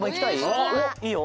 おっいいよ。